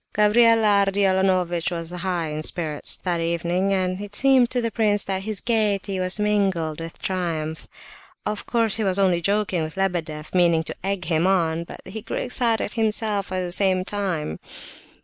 Gavrila Ardalionovitch was in high spirits that evening, and it seemed to the prince that his gaiety was mingled with triumph. Of course he was only joking with Lebedeff, meaning to egg him on, but he grew excited himself at the same time.